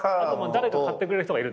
誰か買ってくれる人がいる。